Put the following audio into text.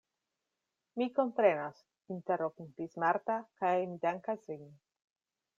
Mi komprenas, interrompis Marta, kaj mi dankas vin!